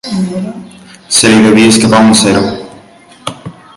Se li devia escapar un zero.